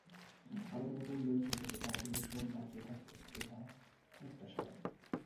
আমাদের মতো উন্নয়নশীল দেশে কার্বন নিঃসরণ বাড়তেই থাকবে, এটা অনেকটা স্বাভাবিক।